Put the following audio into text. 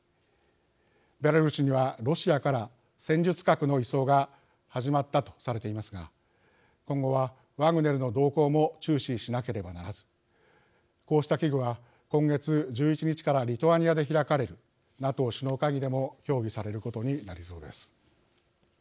ベラルーシにはロシアから戦術核の移送が始まったとされていますが今後はワグネルの動向も注視しなければならずこうした危惧は今月１１日からリトアニアで開かれるＮＡＴＯ首脳会議でも協議されることになりそうです。